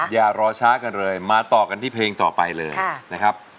อย่ารอช้ากันเลยมาต่อกันที่เพลงต่อไปเลยนะครับ